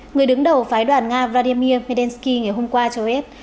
người đứng đầu phái đoàn nga vladimir zelensky ngày hôm qua cho biết